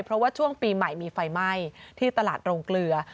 เพราะว่าช่วงปีใหม่มีไฟไหม้ที่ตลาดโรงเกลือ